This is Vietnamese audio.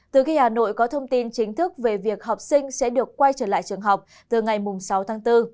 từ khi hà nội có thông tin chính thức về việc học sinh sẽ được quay trở lại trường học từ ngày sáu tháng bốn